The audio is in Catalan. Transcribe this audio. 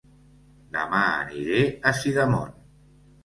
Dema aniré a Sidamon